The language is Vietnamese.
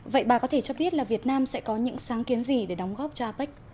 vậy bà có thể cho biết là việt nam sẽ có những sáng kiến gì để đóng góp cho apec